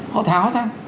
họ tháo ra